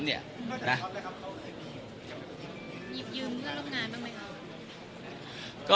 เมื่อเจ้าช็อตเขาได้ยืมเพื่อนร่วมงานบ้างไหมครับ